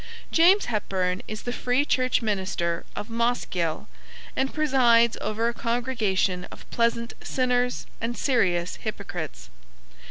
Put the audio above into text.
James Hepburn is the Free Church minister of Mossgiel, and presides over a congregation of pleasant sinners and serious hypocrites.